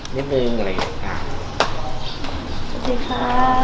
นิดหนึ่งก็เลยอ่ะสวัสดีค่ะ